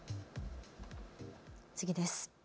次です。